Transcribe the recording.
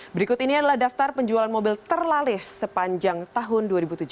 berikut ini adalah daftar penjualan mobil terlalis sepanjang tahun dua ribu tujuh belas